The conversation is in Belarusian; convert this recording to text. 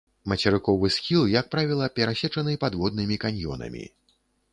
Мацерыковы схіл, як правіла, перасечаны падводнымі каньёнамі.